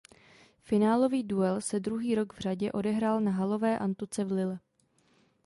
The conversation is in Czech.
Finálový duel se druhý rok v řadě odehrál na halové antuce v Lille.